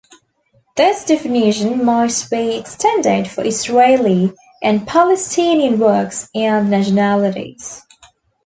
This definition might be extended for Israeli and Palestinian works and nationalities.